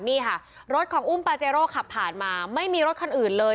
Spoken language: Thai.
นี่ค่ะรถของอุ้มปาเจโร่ขับผ่านมาไม่มีรถคันอื่นเลย